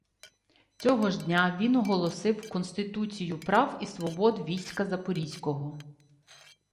Цього ж дня він оголосив «Конституцію прав і свобод війська Запорізького»